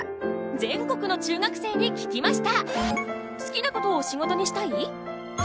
全国の中学生に聞きました！